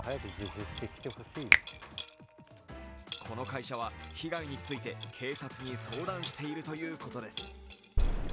この会社は、被害について警察に相談しているということです。